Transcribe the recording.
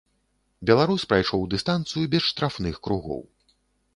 Беларус прайшоў дыстанцыю без штрафных кругоў.